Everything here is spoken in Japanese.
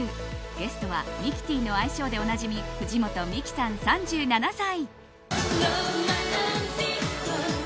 ゲストはミキティの愛称でおなじみ藤本美貴さん、３７歳。